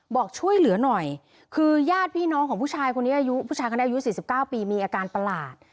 บอกช่วยเหลือหน่อยคือญาติพี่น้องของผู้ชายคนนี้อายุผู้ชายคนนี้อายุ๔๙ปีมีอาการประหลาด